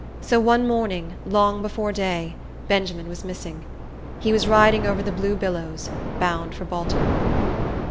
So one morning, long before day, Benjamin was missing. He was riding over the blue billows, bound for Baltimore.